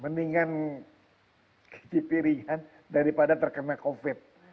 mendingan kipirian daripada terkena covid